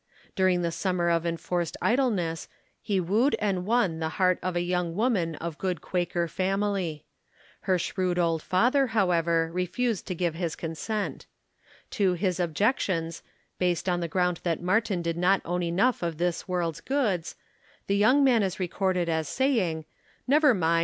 During the summer of enforced idleness he wooed and won the heart of a young woman of good Quaker family. Her shrewd old father, how ioo THE KALLIKAK FAMILY ever, refused to give his consent. To his objections, based on the ground that Martin did not own enough of this world's goods, the young man is recorded as saying, "Never mind.